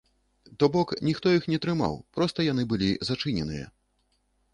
То бок, ніхто іх не трымаў, проста яны былі зачыненыя.